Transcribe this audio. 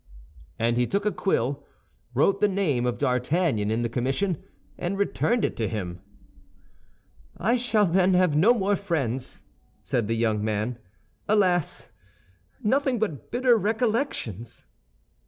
He took a quill, wrote the name of D'Artagnan in the commission, and returned it to him. "I shall then have no more friends," said the young man. "Alas! nothing but bitter recollections."